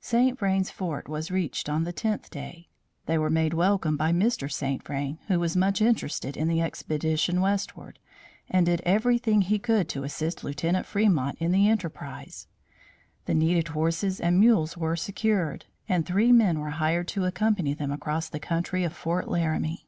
St. Vrain's Fort was reached on the tenth day. They were made welcome by Mr. St. Vrain, who was much interested in the expedition westward and did everything he could to assist Lieutenant Fremont in the enterprise. The needed horses and mules were secured, and three men were hired to accompany them across the country to Fort Laramie.